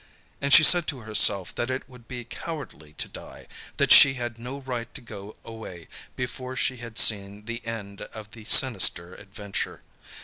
And she said to herself that it would be cowardly to die, that she had no right to go away before she had seen the end of the sinister adventure.